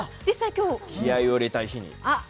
気合いを入れたい日に。